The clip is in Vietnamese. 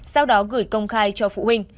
sau đó gửi công khai cho phụ huynh